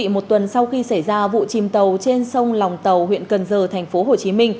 một tuần sau khi xảy ra vụ chìm tàu trên sông lòng tàu huyện cần giờ tp hcm